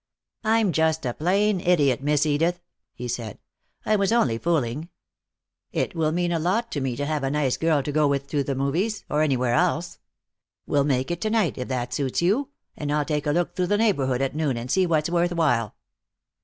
"I'm just a plain idiot, Miss Edith," he said. "I was only fooling. It will mean a lot to me to have a nice girl go with me to the movies, or anywhere else. We'll make it to night, if that suits you, and I'll take a look through the neighborhood at noon and see what's worth while."